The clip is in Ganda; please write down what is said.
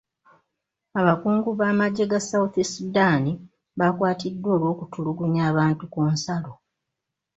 Abakungu b'amagye ga south Sudan baakwatiddwa olw'okutulugunya bantu ku nsalo.